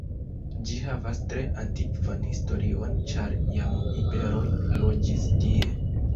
Ĝi havas tre antikvan historion ĉar jam iberoj loĝis tie.